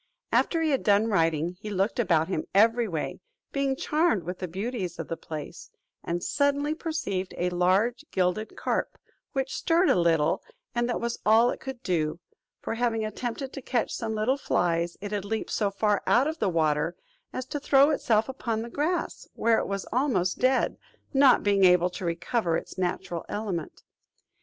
After he had done writing, he looked about him every way, being charmed with the beauties of the place, and suddenly perceived a large gilded carp, which stirred a little, and that was all it could do, for having attempted to catch some little flies, it had leaped so far out of the water, as to throw itself upon the grass, where it was almost dead, not being able to recover its natural element.